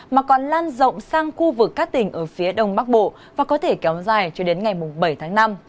mà còn lan rộng sang khu vực các tỉnh ở phía đông bắc bộ và có thể kéo dài cho đến ngày bảy tháng năm